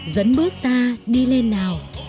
dẫn bước ta đi lên nào